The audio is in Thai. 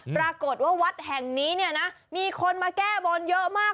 ปรากฏว่าวัดแห่งนี้เนี่ยนะมีคนมาแก้บนเยอะมาก